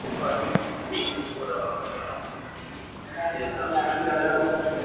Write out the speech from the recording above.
Kifaa kipya cha kudhibiti ubora wa hewa nchini humo kimefadhiliwa na kampuni ya Google